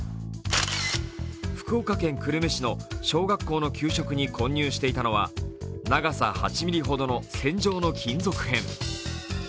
福岡県久留米市の小学校の給食に混入していたのは長さ８ｍｍほどの線上の金属片。